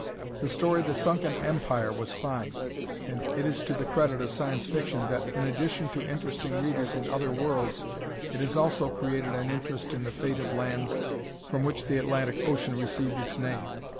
The story, "The Sunken Empire," was fine, and it is to the credit of Science Fiction that in addition to interesting Readers in other worlds it has also created an interest in the fate of lands from which the Atlantic Ocean received its name.